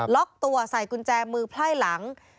ล็อกตัวใส่กุญแจมือไพ่หลัง